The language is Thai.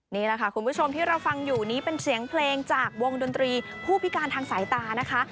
นี่แหละค่ะคุณผู้ชมที่เราฟังอยู่นี้เป็นเสียงเพลงจากวงดนตรีผู้พิการทางสายตานะคะ